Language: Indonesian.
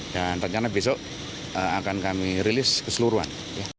dan rencana besok akan kami rilis keseluruhan